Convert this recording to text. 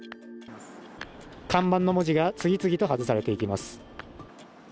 看板の文字が次々と外されていきます。